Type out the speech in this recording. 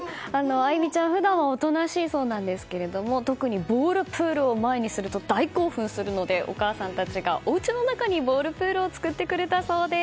愛心ちゃん、普段はおとなしいそうなんですけど特にボールプールを前にすると大興奮するのでお母さんたちがおうちの中にボールプールを作ってくれたそうです。